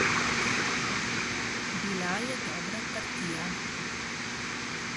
Bila je dobra partija.